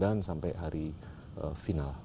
dan sampai hari final